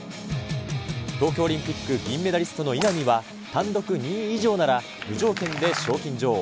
東京オリンピック銀メダリストの稲見は、単独２位以上なら、無条件で賞金女王。